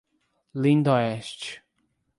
Lindoeste